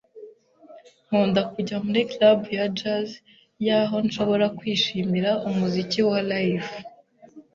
Nkunda kujya muri club ya jazz yaho nshobora kwishimira umuziki wa Live.